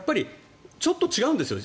ちょっと違うんですよ。